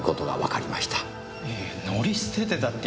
乗り捨ててたって。